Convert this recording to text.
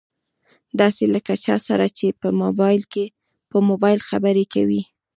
داسې لکه له چا سره چې په مبايل خبرې کوي.